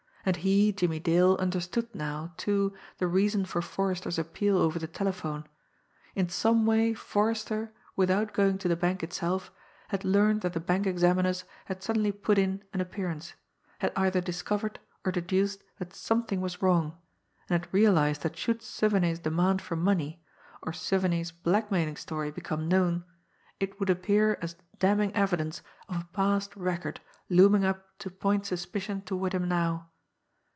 And he, Jimmie Dale, understood now, too, the reason for Forrester's appeal over the telephone. In some way Forrester, without going to the bank itself, had learned that the bank examiners had suddenly put in an appearance, had either discovered or deduced that something was wrong, and had realised that should Suviney's demand for money, or Suviney's blackmailing story become known, it would appear as damning evidence of a past record looming up to point suspicion toward him now.